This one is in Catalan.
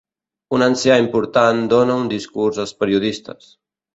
Un ancià important dóna un discurs als periodistes.